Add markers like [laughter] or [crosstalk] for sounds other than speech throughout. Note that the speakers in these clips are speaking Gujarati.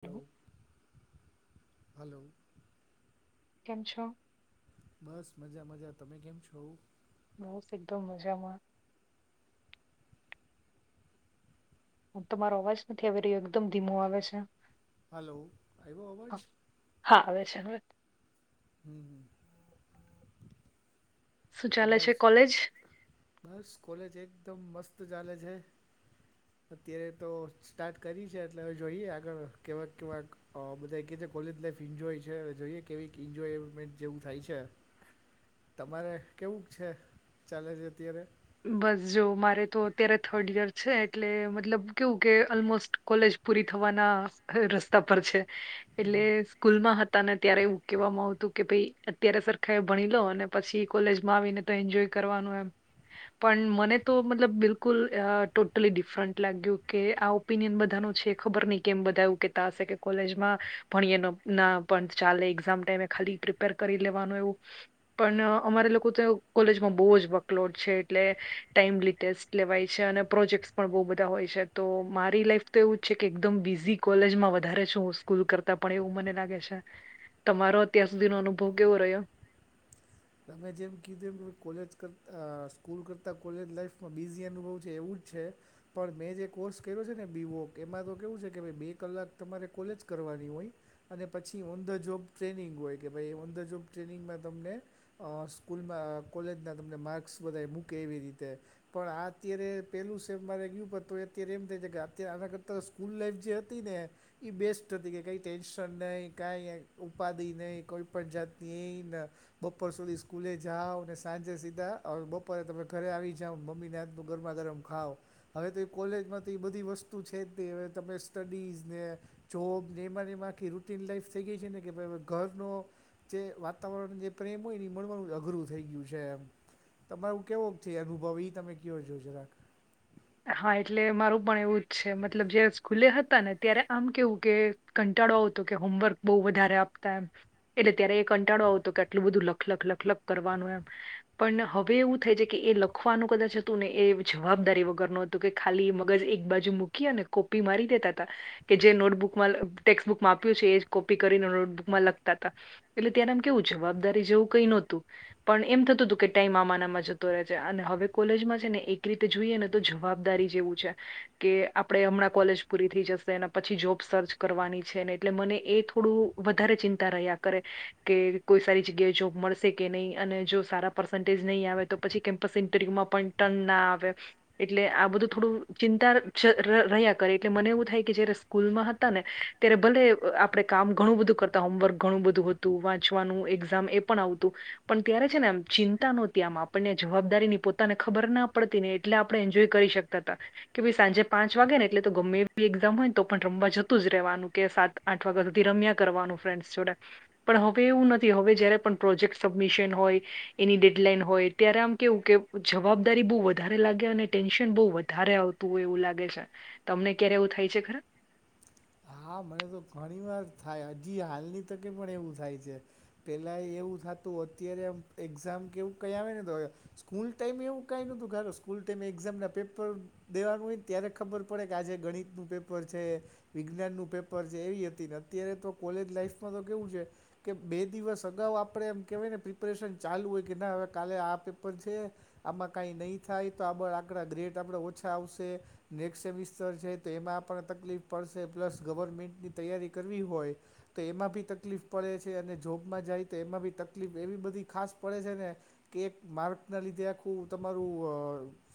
હલો હેલો હલો કેમ છો? બસ મજા મજા તમે કેમ છો બસ એકદમ મજામાં તમારો અવાજ નથી આવી રહ્યો એકદમ ધીમો આવે છે હલો આઈવો અવાજ હા હા આવે છે હવે હમ્મ હમ્મ શું ચાલે તમે છે કોલેજ? બસ કોલેજ એકદમ મસ્ત ચાલે છે અત્યારે તો સ્ટાર્ટ કરી છે એટલે હવે જોઈએ આગળ કેવા કેવાક અ બધા કેછે કોલેજ લાઈફ એન્જોય છે હવે જોઈએ કેવી એન્જોયમેન્ટ જેવું થાય છે તમારે કેવું છે ચાલે છે અત્યારે બસ જો મારે તો અત્યારે થર્ડ યર છે એટલે મતલબ કેવું કે ઓલમોસ્ટ કોલેજ પૂરી થવાના અ રસ્તા પર છે એટલે સ્કૂલમાં હત તને ત્યારે એવું કહેવામાં આવતું કે ભાઈ અત્યારે સરખા એ ભણી લો અને પછી કોલેજમાં આવીને એન્જોય કરવાનું એમ પણ મને તો મતલબ બિલકુલ અહ ટોટલી ડિફરન્ટ લાગ્યું કે આવુ ઓપિનિયન બધાનું છે ખબર નહિ કેમ બધા એવું કેતા હશે કે કોલેજમાં ભણીએ ન ના પણ ચાલે એક્ઝામ ટાઈમે ખાલી પ્રિપેર કરી લેવાનું એવું પણ અમારે લોકો તો કોલેજમાં બહુ જ વર્કલોડ છે એટલે ટાયમલી ટેસ્ટ લેવાય છે અને પ્રોજેક્ટસ પણ બહ બધા હોય છે તો મારી લાઈફ તો એવું જ છે કે એકદમ બીઝી કોલેજમાં વધારે છું સ્કૂલ કરતા પણ એવું મને લાગે છે તમારો અત્યાર સુધીનો અનુભવ કેવો રહ્યો? તમે જેમ કીધું એમ કે કોલેજ કરતા આહ સ્કૂલ કરતાં કોલેજ લાઈફમાં બિઝી અનુભવ છે એવું જ છે પણ મેં જે કોર્સ કર્યો છે ને બીવોક એમાં તો કેવું છે કે બે કલાક તમારે કોલેજ કરવાની હોય અને પછી ઓન ધ જોબ ટ્રેનિંગ હોય કે ભાઈ ઓન ધ જોબ ટ્રેનિંગમાં તમને અહ સ્કૂલમાં કોલેજના તમને માર્ક્સ બધા મૂકે એવી રીતે પણ આ અત્યારે પેલું સેમ મારે ગયું તોય અત્યારે એમ થઈ છે કે અત્યારે આના કરતા સ્કૂલ લાઈફ જે હતી ને ઈ બેસ્ટ હતી કે કઈ ટેન્શન નહીં કાઈ ઉપાધિ નહી કોઈ પણ જાત ની ન બપોર સુધી સ્કૂલે જાઓ ને સાંજે સીધા બપોરે તમે ઘરે આવી જાવ મમ્મીને હાથનું ગરમા ગરમ ખાવ હવે તો એ કોલેજમાં તો એ બધી છે જ હવે તમે સ્ટડીઝ ને જોબ એમાંને એમાં આખી રૂટીન લાઈફ થઈ ગઈ છે ને કે ભાઈ હવે ઘરનો જે વાતાવરણ જે પ્રેમ હોય ને એ મળવાનું અઘરું થઈ ગયું છે એમ તમારું કેવો છે એ અનુભવ ઈ તમે કહો જરાક હા એટલે મારું પણ એવું જ છે મતલબ જ્યારે સ્કૂલે હતા ત્યારે આમ કેવું કે કંટાળો આવતો કે હોમવર્ક બહુ વધારે આપતા એમ એટલે ત્યારે એ કંટાળો આવતો હતો આટલું બધું લખ લખલખ કરવાનું એમ પણ હવે એવું થાય છે કે એ લખવાનું કદાચ હતું ને એ જવાબદારી વગરનું હતું કે ખાલી મગજ એક બાજુ મૂકી અને કોપી મારી દેતા તા કે જે નોટબુકમાં ટેક્સબુકમાં આપ્યું છે એ કોપી કરીને નોટબુકમાં લખતા તા એટલે ત્યારે આમ કેવું જવાબદારી જેવું કઈ નહોતું પણ એમ થતું હતું કે ટાઈમ આમાને આમાં જતો રહે છે અને હવે કોલેજમાં છે ને એક રીતે જોઈને તો જવાબદારી જેવું છે કે આપણે હમણાં કોલેજ પૂરી થઈ જશે અને પછી જોબ સર્ચ કરવાની છે ને એટલે મને એ થોડું વધારે ચિંતા રહ્યા કરે કે કોઈ સારી જગ્યાએ જોબ મળશે કે નહી અને જો સારા પર્સન્ટેજ નહી આવે તો પછી કેમપ સેન્ટ્રીમાં પણ ટર્ન ના આવે એટલે આ બધું થોડું ચિંતા ર રહ્યા કરે એટલે મને એવું થાય કે જયારે સ્કૂલમાં હતા ને ત્યારે ભલે આપડે કામ ઘણું બધું કરતા હોમવર્ક ઘણું બધું હતું વાંચવાનું એક્ઝામ એ પણ આવતું પણ ત્યારે છે ને ચિંતા નોતી આમ આપણને જવાબદારી ની પોતાને ખબર ના પડતી ને એટલે આપણે એન્જોય કરી શકતા હતા કે ભાઈ સાંજે પાંચ વાગે ને એટલે તો ગમે એ એક્ઝામ હોય ને તો પણ રમવા જતું જ રવાનું કે સાત આઠ વાગ્યા સુધી રમ્યા કરવાનું ફ્રેન્ડસ જોડે પણ હવે એવું નથી હવે જયારે પણ પ્રોજેક્ટ સબમિશન હોય એની ડેડલાઈન હોય ત્યારે આમ કેવું કે જવાબદારી બહુ વધારે લાગે અને ટેન્શન બહુ વધારે આવતું હોય એવું લાગે છે તમને ક્યારે એવું થાય છે ખરા હા મને તો ઘણી વાર થાય હજી હાલની તકે પણ એવું થાય છે પેલા એ એવું થતું અત્યારે આમ એક્ઝામ કે એવુ કઈ આવે ન તો સ્કૂલ ટાઈમે એવું કંઈ નહોતું કે આલો સ્કૂલ ટાઈમે એક્ઝામ ના પેપર દેવાનું હોય ને ત્યારેખબર પડે કે આજે ગણિત નું પેપર છે વિ વિજ્ઞાનનું પેપર છે એવી હતી ને અત્યારે તો કોલેજ લાઈફમાં તો કેવું છે કે બે દિવસ અગાઉ આપડે એમ કેહેવાય ને પ્રિપરેશન ચાલુ હોય કે ના હવે કાલે આ પેપર છે આમાં કાઈ નહી થાય તો આપડા આકડા ગ્રેડ આપડા ઓછા આવશે નેક્સ્ટ સેમિસ્ટર છે તો એમાં પણ તકલીફ પડ કે પ્લસ ગવર્મેન્ટની તૈયારી કરવી હોય તો એમાં ભી તકલીફ પડે છે અને જોબમાં જાય તો એમાં બી તકલીફ એવી બધી ખાસ પડે છે ને કે એક માર્કના લીધે આખું તમારું અ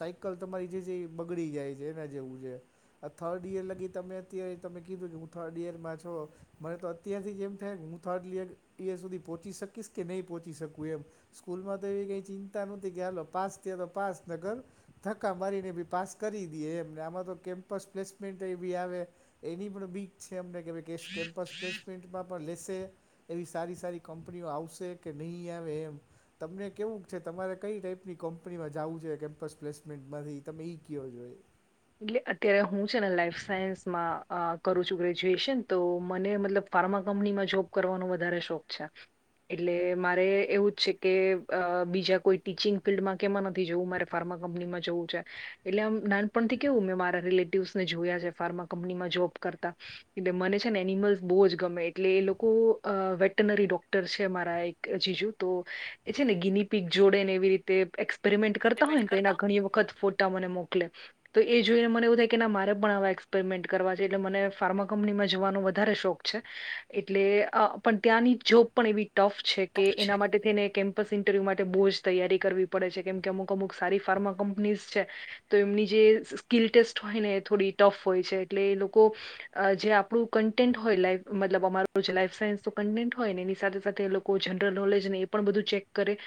સાયકલ તમારી જે જે એ બગડી જાય છે એને જેવું છે આ થર્ડ ઈયર લગી તમે અત્યારે તમે કીધું કે હું થર્ડ ઈયરમાં છો મને તો અત્યારથી જ એમ થાય હું થર્ડ યીયર સુધી પહોંચી શકીશ કે નહીં પહોંચી શકું એમ. સ્કૂલ માં તો એવી કઈ ચિંતા નહતી કે હાલો પાસ થિયા તો પાસ ન કર ધકા મારીને બી પાસ કરી દીયે એમ ને આમાં તો કેમ્પસ પ્લેસમેન્ટ યે બી આવે. એની પણ બીક છે અમને કે કેમ્પસ પ્લેસમેન્ટ. એમાં પણ લેશે એવી સારી સારી કંપનીઓ આવશે કે નહી આવે એમ. તમને કેવું છે તમારે કઈ ટાઈપની કંપનીમાં જાવું છે કેમ્પસ પ્લેસમેન્ટમાંથી તમે ઈ કિયો જોય એટલે અત્યારે હું છે ને લાઈફ સાયન્સમાં કરું છું ગ્રેજ્યુએશન તો મને મતલબ. ફાર્મા કંપનીમાં જોબ કરવાનો વધારે શોખ છે. એટલે મારે એવું જ છે કે અ બીજા કોઈ ટીચિંગ ફિલ્ડમાં કેમાં નથી જવું મારે ફાર્મા કંપનીમાં જવું એટલે આમ ના પણથી કેવું મેં મારા રિલેટિવસને જોયા છે ફાર્મા કંપનીમાં જોબ કરતા. એટલે મને છે ને એનિમલ્સ બહુ જ ગમે એટલે એ લોકો વેટનરી ડોક્ટર છે મારા એક જીજુ તો એ છે ને ગીની પીક જોડે ને એવી રીતે એક્સપેરિમેન્ટ કરતા હોય ને તો એના ઘણી વખત ફોટા મને મોકલે. તો એ જોઈને મને એવું થાય કે ના મારે પણ આવા એક્સપેરિમેન્ટ કરવા છે એટલે મને ફાર્મા કંપનીમાં જવાનો વધારે શોખ છે. એટલે અ ત્યાંની જોબ પણ એવી ટફ છે કે ઓફ એના છે માટે થઈ ને કેમ્પસ ઇન્ટરવ્યૂ માટે બોજ તૈયારી કરવી. પડે છે કેમ કે અમુક અમુક સારી ફાર્મા કંપનીઝ છે તો એમની જે સ્કીિલ ટેસ્ટ હોય ને એ થોડી ટફ હોય છે એટલે એ લોકો જે આપણું કન્ટેન્ટ હોય લાઈફ મતલબ અમાર જે લાઈફ સાયન્સ કન્ટેન્ટ હોય ને એની સાથે સાથે એ લો કો જનરલ નોલેજ ને એ પણ બધું ચેક કરે.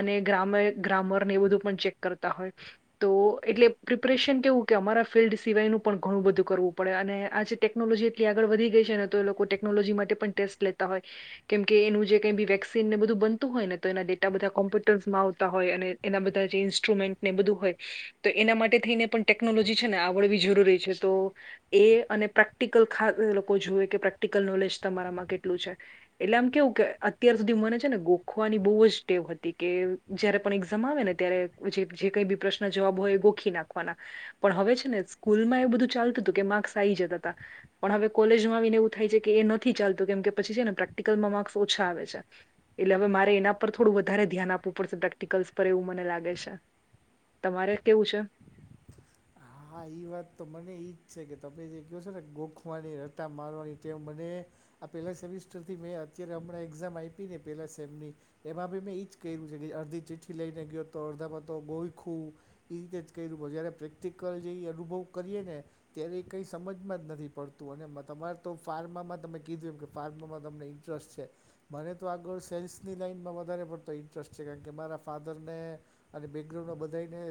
અને ગ્રામર ગ્રામરને એ બધું પણ ચેક કરતા હોય એટલે પ્રિપરેશન કેવું કે અમારા ફિલ્ડ સિવાયનું પણ ઘણું બધું કરવું પડે અને આજે ટેકનોલોજી એટલી આગળ વધી ગઈ છે ને તો એ લોકો ટે ટેકનોલોજી માટે પણ ટેસ્ટ લેતા હોય. કેમ કે એનું જે કઈ બી વેક્સિન ને બધું બનું હોય ને તો એના ડેટા બધા કોમ્પ્યુટર્સમાં આવતા હોય અને. એના બધા જે ઈન્સ્ટ્રુમેન્ટ ને બધું હોય તો એના માટે થઈને પણ ટેકનોલોજી છે ને આવડવી જરૂરી છે તો એ અને પ્રેક્ટિકલ ખાસ લોકો જોવે કે પ્રેક્ટિકલ નોલેજ તમારામાં કેટલું છે. એટલે આમ કેવું કે અત્યાર સુધી મને છે ને ગોખવાની બહુ જ ટેવ હતી કે જયારે પણ એક્ઝામ આવે ને ત્યારે જે કઈ બી પ્રશ્ન જવાબ હોય એ ગોખી નાખવાના. પણ હવે છે ને સ્કૂલ માં એ બધું ચાલતું હતું કે માર્કસ આવી જતા હતા. પણ હવે કોલેજમાં આવીને એવું થાય છે કે એ નથી ચાલતું કેમ કે પછી છે ને પ્રેક્ટિકલમાં માર્ક્સ ઓછા આવે છે. એટલે હવે મારે એના પર થોડું વધારે ધ્યાન આપવું પડશે પ્રેક્ટિકલ્સ પર એવું મને લાગે છે. તમારે કેવું છે? હા ઈ વાત તો મને ઈ છે કે તમે જે કિયો છો ને ગોખવાની રટા મારવાની ટેવ મને આ પહેલા સેમિસ્ટર થી મેં અત્યારે હમણાં એક્ઝામ આપી ને પેલા સેમની. એમાં બી મેં ઈજ કર્યું છે કે અડધી ચિઠ્ઠી લઈને ગયો તો અડધામાં તો ગોઈખું. એ રીતે જ કર્યું જયારે પ્રેક્ટિકલ જે અનુભવ કરીએ ને. ત્યારે એ કંઈ સમજમાં જ નથી પડતું અને તમારે તો ફાર્મામાં તમે કીધું એમ કે ફાર્મામાં તમને. દશ. [unintelligible] મને તો આગળ સેલ્સની લાઈનમાં વધારે પડતો ઇન્ટરેસ્ટ છે કારણ કે મારા ફાધરને અને બેકગ્રાઉન્ડમાં બધાને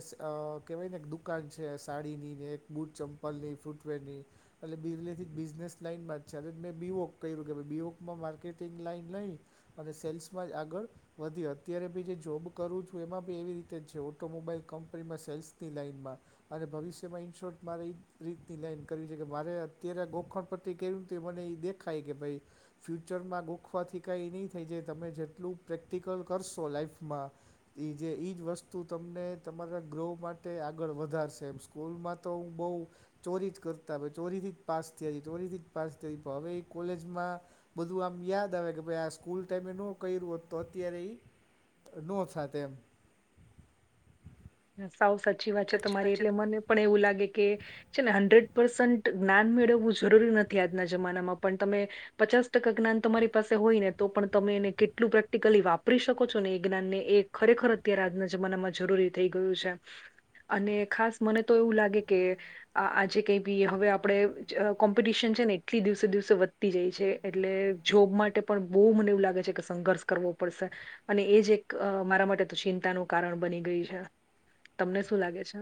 કહેવાય ને દુઃખ દુકાન છે સાડી ની ને એક બુટ ચંપલ ની ફૂટવેરની. એટલે બિરલી થી બિઝનેસ લાઈન બા છે મેં બીવોક ક્યું કે બીવોકમાં માર્કેટિંગ લાઈન લઈ. અને સેલ્સમાં જ આગળ વધી અત્યારે બી જે જોબ કરું છું એમાં બી એવી રીતે જ છે ઓટોમોબાઈલ કંપનીમાં સેલ્સની લાઈઇનમાં. અને ભવિષ્યમાં ઇન શોર્ટ મારે એ જ રીતની લાઈન કરવી છે કે મારે અત્યારે ગોખણ પટી ક્યુંતુ મને એ દેખ ખાય કે ભાઈ ફ્યુચરમાં ગોખવાથી કઈ નહી થઈ જાય તમે જેટલું પ્રેક્ટિકલ કરશો લાઈફમાં. એ જે એ જ વસ્તુ તમને તમારા ગ્રો માટે આગળ વધ વધારશે એમ સ્કૂલમાં તો હું બહુ ચોરી જ કરતા ચોરીથી જ પાસ થયા ચોરીથી પાસ થ ઈ હવે ઈ કોલેજમાં બધું આમ યાદ આવે કે ભાઈ આ સ્કૂલ ટાઈમે ન ક્યું હોત તો અત્યારે ઈ. નો થાત એમ. સાવ સાચી વાત છે તમારી એટલે મને પણ એવું લાગે કે છે ને હંડ્રેડ પર્સન્ટ જ્ઞાન મેળવવું જરૂરી નથી આજના જમાનામાં પણ તમે પચાસ ટકા જ્ઞાન તમારી પાસે હોય ને તો પણ તમે એને કેટલું પ્રેક્ટિકલી વાપરી શકો છો ને એ જ્ઞાનને એક ખરેખર અત્યારે આજના જમાનામાં જરૂરી થ ઈ ગયું છે. અને ખાસ મને તો એવું લાગે કે આજે કઈ પી હવે આપડણે કોમ્પિટિશન છે ને એટલી દિવસે દિવસે જાય છે એટલે જોબ માટે પણ મને એવું લાગે છે સંઘર્ષ કરવો પડશે. અને એજ એક મારા માટે તો ચિંતાનું કારણ બની ગયુ. તમને શું લાગે છે?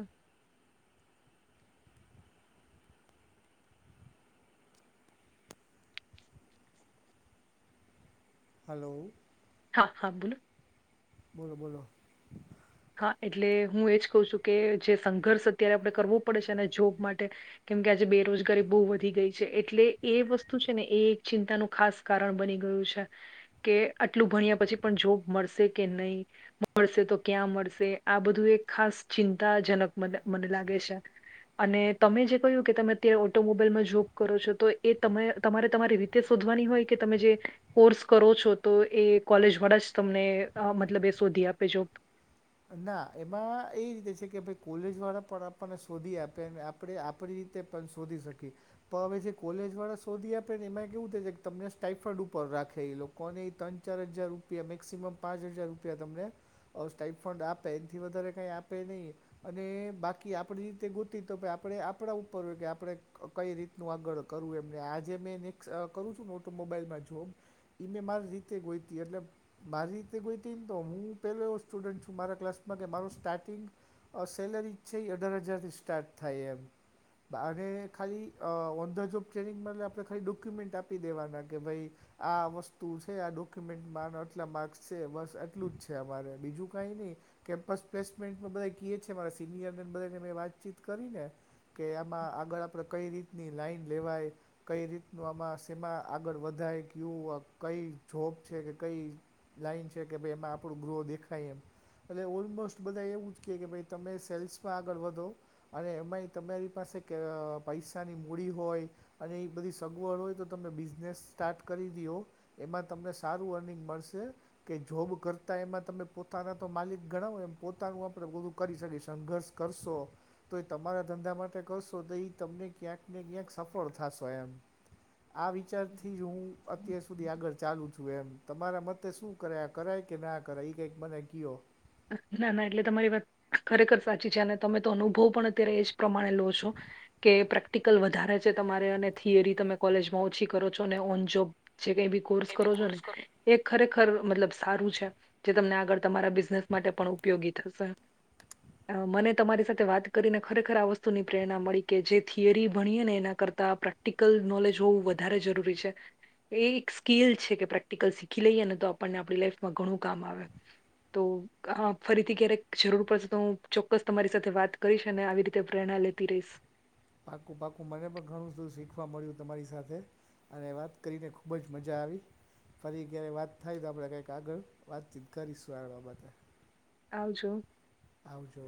હલો. હા હા બોલો. બોલો બોલો. હા એટલે હું એજ કહુ છું કે જે સંઘર્ષ અત્યારે આપણે કરવું પડે છે ને જોબ માટે. કેમ કે આજે બેરોજગારી બહુ વધી ગઈ છે એટલે એ વસ્તુ છે ને એ એક ચિંતાનું ખાસ કારણ બની ગયું છે. કે આટલું ભણ્યા પછી પણ જોબ મળશે કે નહીં, મળશે તો ક્યાં મળશે આ બધું એક ખાસ ચિંતાજનક મને મને લાગે છે. અને તમે જે કહ્યું કે તમે અત્યારે ઓટોમોબાઈલમાં જોબ કરો છો તો એ તમે તમારે તમારી રીતે તે શોધવાની હોય કે તમે જે કોર્સ કરો છો તો એ કોલેજ વડા જ તમને મતલબ એ શોધી આપે જોબ. ના એમાં એ રીતે છે કે ભાઈ કોલેજ વાળા પણ આપણને શોધી આપે. આપણે આપણી રીતે પણ શોધી શકીએ. તો હવે જે કોલેજ વાળા શોધી આપે ને એમાં કેવું થાય કે તમને સ્ટાઈફોઈડ ઉપર રાખે એ લોકો. કોને ત્રણ ચાર હજાર રૂપિયા મેક્સિમમ પાંચ હજાર રૂપિયા તમને આ. રિફંડ આપે એથી વધારે કાંઈ આપે નહીં. અને બાકી આપણી રીતે ગોતી તો આપણે આપણા ઉપર હોય કે આપણે કઈ રીતનું આગળ કરવું એમને આજે મેં ને કરું છું ને ઓટોમોબાઈલમાં જોબ ઈ મેં મારી રીતે ગોઈતી એટલે મારી રીતે ગોઈતીને તો હું પેલો એવો સ્ટુડન્ટ મારા ક્લાસમાં કે મારું સ્ટાર્ટિંગ સેલરી છે એ અઢાર હજારથી સ્ટાર્ટ થાય એમ બરે ખાલી ઓન ધ જોબ ટ્રેનિંગ માટે આપણે ખાલી ડોક્યુમેન્ટ આપી દેવાના કે ભઈ આ વસ્તુ છે આ ડોક્યુમેન્ટમાં આના આટલા માર્ક્સ છે બસ એટલું જ છે અમારે બીજું કઈ ની કેમ્પસ પ્લેસમેન્ટ બધાય કીએ છે મારા સિનિયર ને બધાય ને મે વાતચીત કરીને કે આમાં આગળ આપણે કઈ રીતની લાઈન લેવાય કઈ રીતનું આમાં સેમાં આગળ વધાય કેવું કઈ જોબ છે કે કઈ લાઈન છે કે ભઈ એમાં આપણું ગો દેખાય એટલે ઓલમોસ્ટ બધા એવું જ કે ભાઈ તમે સેલ્સમાં આગળ વધો અને એમાંય તમારી પાસે ક અ પૈસાની મૂડી હોય અને એ બધી સગવડ હોય તો તમે બિઝનેસ સ્ટાર્ટ કરી દીઓ એમાં તમને સારું અર્નિંગ મળશે કે જોબ કરતા એમાં તમે પોત પોતાના તો માલિક ગણાવય એમ પોતાનું આપડે બધું કરી શકી સંઘર્ષ કરશો. તો એ તમારા ધંધા માટે કરશો તો ઈ તમને ક્યાંક ને ક્યાંક સફળ થશો એમ. આ વિચારથી જ હું અત્યાર સુધી આગળ ચાલુ છું હુ એમ તમારા મતે શું કરે આ કરાય કે ના કરાય ઈ કંઈક મને કીયો. ના ના એટલે તમારી વાત ખરેખર સાચી છે અને તમે તો અનુભવ પણ અત્યારે એજ પ્રમાણે લો છો કે પ્રેક્ટિકલ વધારે છે તમારે અને થિયરી તમે કોલેજમાં ઓછી કરો છો અને ઓન જોબ જે કંઈ બી કોર્સ કરો ને એ ખરેખર મતલબ સારું છે જે તમને આગળ તમારા બિઝનેસ માટે પણ ઉપયોગી થશે. મને તમારી સાથે વાત કરીને ખરેખર આ વસ્તુની પ્રેરણા મળી કે જે થિયરી ભણીએ ને એના કરતા તા પ્રેક્ટિકલ નોલેજ હોવું વધારે જરૂરી છે. એ એક સ્કીલ છે કે પ્રેક્ટિકલ શીખી લઈએ ને તો આપણને આપણી લાાઈફમાં ઘણું કામ આવે. તો હ ફરીથી ક્યારેક જરૂર પડશે તો હું ચોક્કસ તમારી સાથે વાત કરીશ અને આવી રીતે પ્રેરણા લેતી રહીશ. પાકું પાકું મને પણ ઘણું બધું શીખવા મળ્યું તમારી સાથે અને વાત કરીને ખૂબ જ મજા આવી. ફરી ક્યારેય વાત થાય તો આપણે કંઈક આગળ વાતચીત કરીશું આ બાબતે આવજો. આવજો.